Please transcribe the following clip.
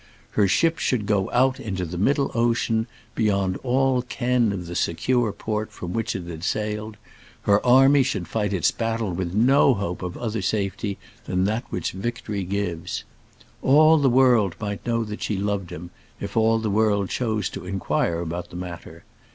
Her ship should go out into the middle ocean, beyond all ken of the secure port from which it had sailed; her army should fight its battle with no hope of other safety than that which victory gives. All the world might know that she loved him if all the world chose to inquire about the matter.